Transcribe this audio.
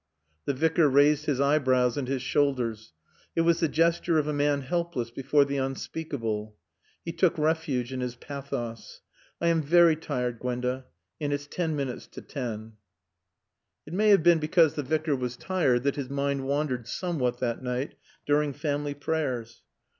The Vicar raised his eyebrows and his shoulders. It was the gesture of a man helpless before the unspeakable. He took refuge in his pathos. "I am very tired, Gwenda; and it's ten minutes to ten." It may have been because the Vicar was tired that his mind wandered somewhat that night during family prayers.